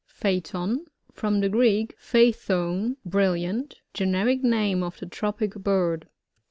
pHiBTON.— From the Greek, phaeih6n^ brilliant. Greneric name of the Tropic bird.